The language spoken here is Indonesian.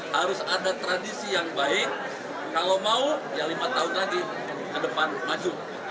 harus ada tradisi yang baik kalau mau ya lima tahun lagi ke depan maju